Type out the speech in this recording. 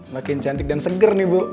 makin cantik dan seger nih bu